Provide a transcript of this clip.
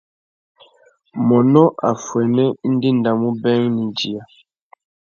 Mônô affuênê i ndéndamú being nà idiya.